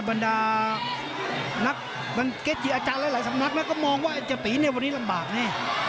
บรรดานักบรรเกศจีย์อาจารย์และหลายสำนักมันก็มองว่าไอ้เจ้าตีนี่วันนี้ลำบากแน่